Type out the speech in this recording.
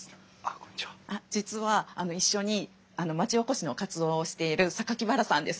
実は一緒に町おこしの活動をしている榊原さんです。